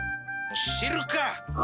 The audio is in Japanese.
知るか！